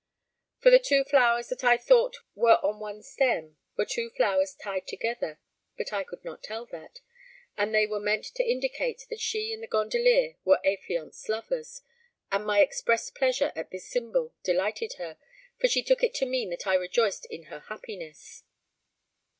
For the two flowers that I thought were on one stem were two flowers tied together (but I could not tell that), and they were meant to indicate that she and the gondolier were affianced lovers, and my expressed pleasure at this symbol delighted her, for she took it to mean that I rejoiced in her happiness.